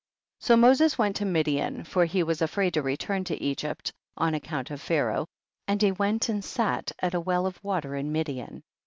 13. So Moses went to Midian, for he was afraid to return to Egypt on account of Pharaoh, and he went and sat at a well of water in Midian.